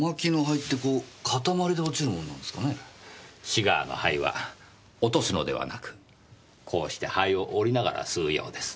シガーの灰は落とすのではなくこうして灰を折りながら吸うようです。